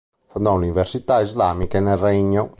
Fondò università islamiche nel regno.